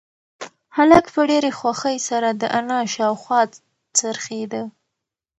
هلک په ډېرې خوښۍ سره د انا شاوخوا څرخېده.